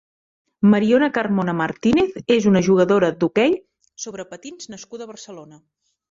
Mariona Carmona Martínez és una jugadora d'hoquei sobre patins nascuda a Barcelona.